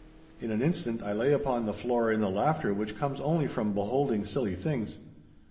In an instant I lay upon the floor in the laughter which comes only from beholding silly things.